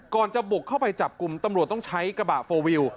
ก่อนจะบุกเข้าไปจับกุมตำรวจต้องใช้กระบะ๔วิว